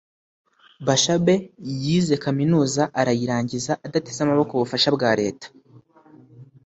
Bashabe yize Kaminuza arayirangiza adateze amaboko ubufasha bwa leta